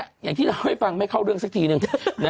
อย่างที่เล่าให้ฟังไม่เข้าเรื่องสักทีนึง